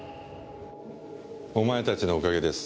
お前たちのお陰です。